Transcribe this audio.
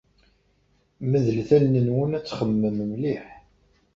Medlet allen-nwen ad txemmmem mliḥ.